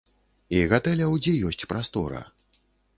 І гатэляў, дзе ёсць прастора.